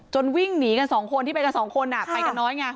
วิ่งหนีกันสองคนที่ไปกันสองคนไปกันน้อยไง